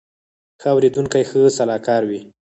ښه اورېدونکی ښه سلاکار وي